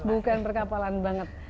bukan perkapalan banget